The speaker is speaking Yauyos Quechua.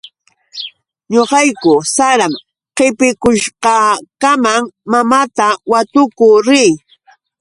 Ñuqayku saram qipikushqakamam mamaata watukuu rii.